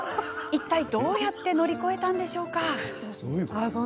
いったい、どうやって乗り越えたのでしょうか？